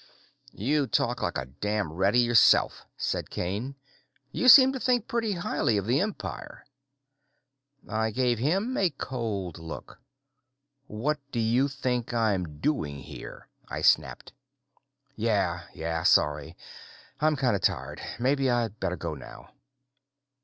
"You talk like a damned reddie yourself," said Kane. "You seem to think pretty highly of the Empire." I gave him a cold look. "What do you think I'm doing here?" I snapped. "Yeah. Yeah, sorry. I'm kind of tired. Maybe I'd better go now."